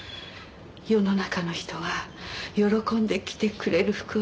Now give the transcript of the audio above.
世の中の人が喜んで着てくれる服を作りたい。